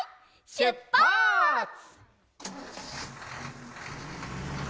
しゅっぱつ！